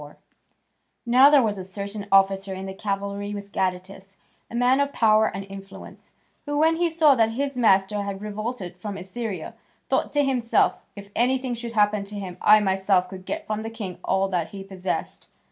4] Now there was a certain officer in the cavalry with Gadatas, a man of power and influence, who, when he saw that his master had revolted from Assyria, thought to himself, "If anything should happen to him, I myself could get from the king all that he possessed."